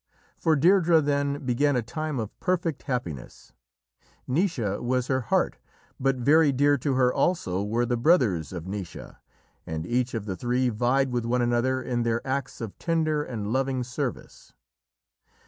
For Deirdrê then began a time of perfect happiness. Naoise was her heart, but very dear to her also were the brothers of Naoise, and each of the three vied with one another in their acts of tender and loving service.